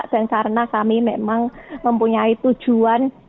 dan karena kami memang mempunyai tujuan